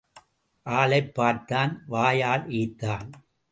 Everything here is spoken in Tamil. ஆளைப் பார்த்தான் வாயால் ஏய்த்தான்.